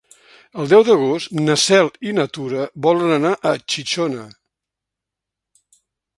El deu d'agost na Cel i na Tura volen anar a Xixona.